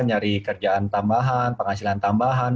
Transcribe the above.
nyari kerjaan tambahan penghasilan tambahan